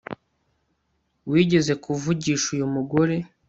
wigeze kuvugisha uyu mugore